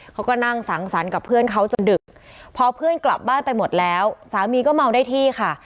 เขาก็นั่งสังสรรค์กับเพื่อนเขาจนดึกพอเพื่อนกลับบ้านไปหมดแล้วสามีก็เมาได้ที่ค่ะ